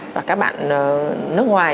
và các bạn nước ngoài